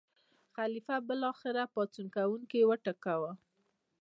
خلیفه بالاخره پاڅون کوونکي وټکول.